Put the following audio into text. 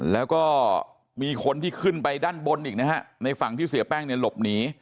แล้วก็มีคนที่ขึ้นไปด้านบนอีกนะฮะในฝั่งที่เสียแป้งเนี่ยหลบหนี